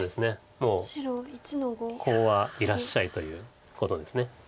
もうコウは「いらっしゃい」ということです。